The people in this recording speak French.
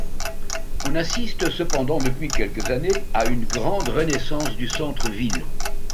On assiste cependant depuis quelques années à une grande renaissance du centre-ville.